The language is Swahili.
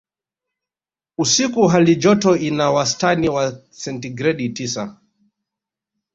Usiku hali joto ina wastani wa sentigredi tisa